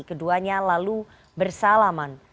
keduanya lalu bersalaman